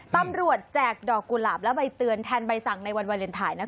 แจกดอกกุหลาบและใบเตือนแทนใบสั่งในวันวาเลนไทย